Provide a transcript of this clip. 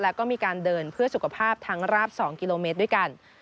แล้วก็มีการเดินเพื่อสุขภาพทั้งราบ๒กิโลเมตรด้วยกัน